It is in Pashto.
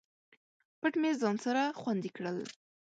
پټ مې ځان سره خوندي کړل